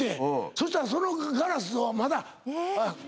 そしたらそのガラスをまだ。